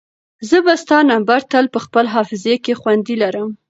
زه به ستا نمبر تل په خپل حافظه کې خوندي لرم.